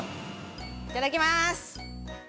◆いただきます！